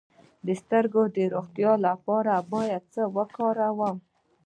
د سترګو د روغتیا لپاره باید څه وکاروم؟